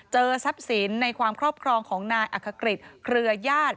เจอทรัพย์สินในความครอบครองของนายอักษกฤษเครือญาติ